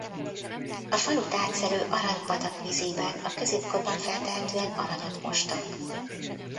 A falut átszelő Arany-patak vízében a középkorban feltehetően aranyat mostak.